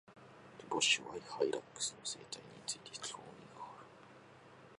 キボシイワハイラックスの生態について、興味がある。